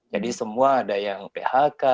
jadi semua ada yang phk